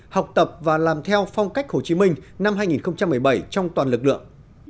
học tập và làm theo phong cách hồ chí minh năm hai nghìn một mươi bảy trong toàn lực lượng